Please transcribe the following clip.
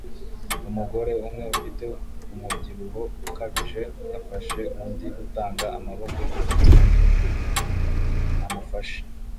Umugore umwe ufite umubyibuho ukabije afasha undi gutanga amaboko kugirango amufashe